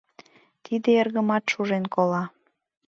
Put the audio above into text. — Тиде эргымат шужен кола!..